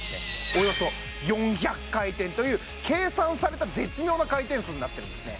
およそ４００回転という計算された絶妙な回転数になってるんですね